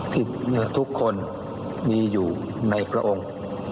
ที่ทุกคนมีอยู่ในพระองค์